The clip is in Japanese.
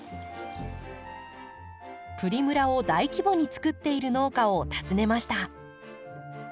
プリムラを大規模につくっている農家を訪ねました。